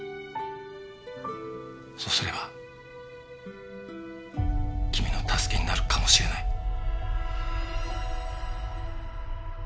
そうすれば君の助けになるかもしれない。